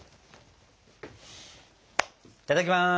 いただきます。